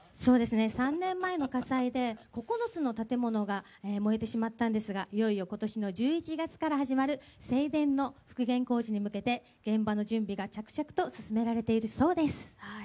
３年前の火災で９つの建物が燃えてしまったんですがいよいよ今年の１１月から始まる正殿の復元工事に向けて現場の準備が着々と進められているそうです。